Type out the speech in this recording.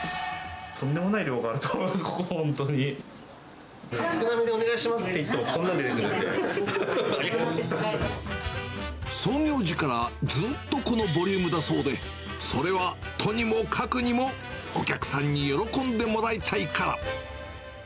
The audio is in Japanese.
とんでもない量があると思い少なめでお願いしますって言創業時からずっとこのボリュームだそうで、それはとにもかくにもお客さんに喜んでもらいたいから。